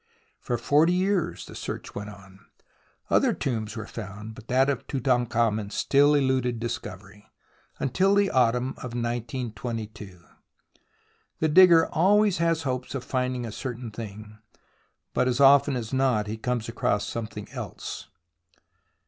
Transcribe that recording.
For forty years the search went on. Other tombs were found, but that of Tutankhamen still eluded discovery, until the autumn of 1922. The digger always has hopes of finding a certain thing, but as often as not he comes across some thing else.